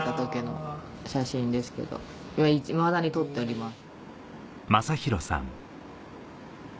いまだにとってあります。